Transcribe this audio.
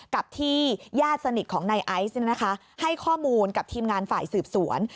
กับที่ญาติสนิทของนายไอซ์ให้ข้อมูลกับทีมงานฝ่ายสืบสวน